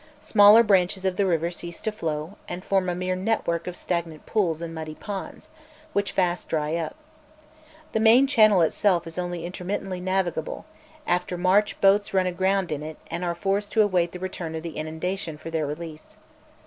Smaller branches of the river cease to flow, and form a mere network of stagnant pools and muddy ponds, which fast dry up. The main channel itself is only intermittently navigable; after March boats run aground in it, and are forced to await the return of the inundation for their release.